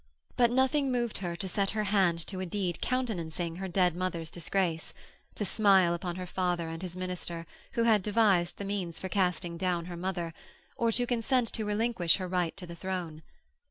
But nothing moved her to set her hand to a deed countenancing her dead mother's disgrace; to smile upon her father and his minister, who had devised the means for casting down her mother; or to consent to relinquish her right to the throne.